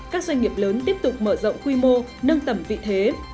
các doanh nghiệp lớn tiếp tục mở rộng quy mô nâng tầm vị thế